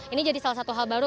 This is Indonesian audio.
ini jadi salah satu hal baru